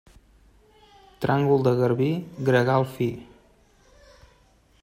Tràngol de garbí, gregal fi.